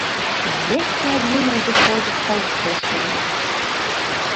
Звесткі аб ім разыходзяцца ўсё шырэй.